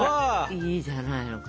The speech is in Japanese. いいじゃないのか？